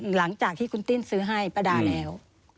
หลังจากที่คุณติ้นซื้อให้ป้าดาแล้ว